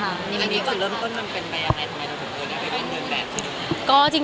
หรือเป็นแบบหนึ่ง